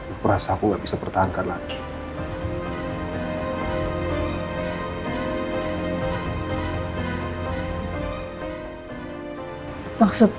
aku rasa aku gak bisa pertahankan lagi